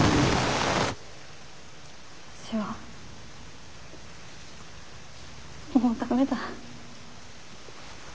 私はもう駄目だ。